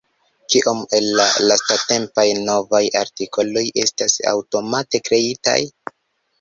Kiom el la lastatempaj novaj artikoloj estas aŭtomate kreitaj?